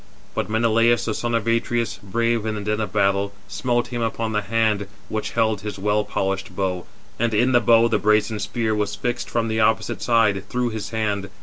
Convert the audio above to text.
But Menelaus, the son of Atreus, brave in the din of battle, smote him upon the hand which held his well polished bow; and in the bow the brazen spear was fixed from the opposite side, through his hand.